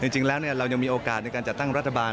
จริงแล้วเรายังมีโอกาสในการจัดตั้งรัฐบาล